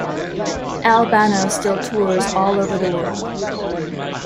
Al Bano still tours all over the world.